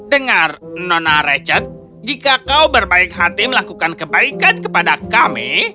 dengar nona richard jika kau berbaik hati melakukan kebaikan kepada kami